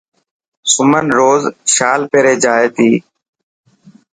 سمن روز شال پيري جائي تي.